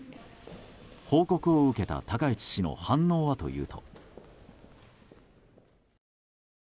報告を受けた高市氏の反応はというと。